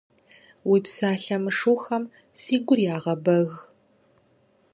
Уи псалъэ мышыухэм си гур ягъэбэг.